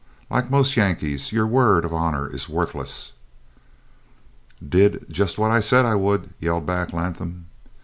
Like most Yankees, your word of honor is worthless." "Did just what I said I would!" yelled back Latham.